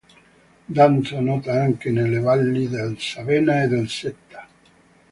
Danza nota anche nelle valli del Savena e del Setta.